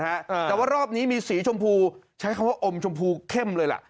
แต่ว่ารอบนี้มีสีชมพูใช้คำว่าอมชมพูเข้มเลยล่ะ